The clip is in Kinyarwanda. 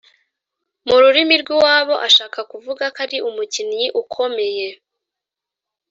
mu rurimi rw’iwabo ashaka kuvuga ko ari umukinnyi ukomeye